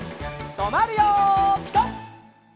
とまるよピタ！